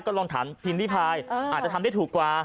ก็ลองถามพิมพิพายอาจจะทำได้ถูกกว่า